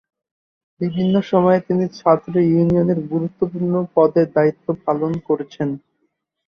বিভিন্ন সময়ে তিনি ছাত্র ইউনিয়নের গুরুত্বপূর্ণ পদে দায়িত্ব পালন করেছেন।